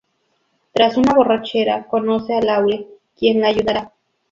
Tras una borrachera conoce a Laure quien la ayudara.